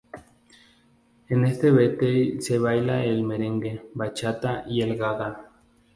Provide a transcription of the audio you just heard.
En este Batey se baila el Merengue, Bachata y el Gaga.